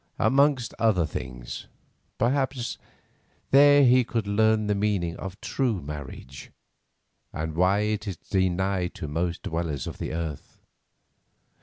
Amongst other things, perhaps, there he would learn the meaning of true marriage, and why it is denied to most dwellers of the earth.